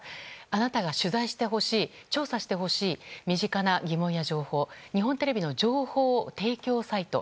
あなたが取材してほしい調査してほしい身近な疑問や情報を日本テレビの情報提供サイト